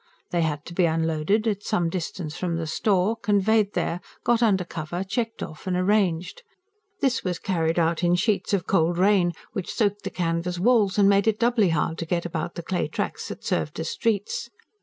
They had to be unloaded, at some distance from the store, conveyed there, got under cover, checked off and arranged. This was carried out in sheets of cold rain, which soaked the canvas walls and made it doubly hard to get about the clay tracks that served as streets.